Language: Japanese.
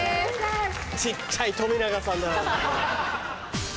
小っちゃい冨永さんだな。